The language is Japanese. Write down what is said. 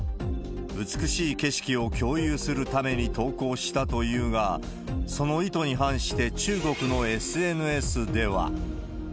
美しい景色を共有するために投稿したというが、その意図に反して、中国のＳＮＳでは。